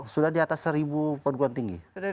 sudah di atas seribu perguruan tinggi